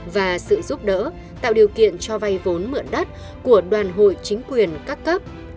và sự giúp đỡ tạo điều kiện cho vay vốn mượn đất của đoàn hội chính quyền các cấp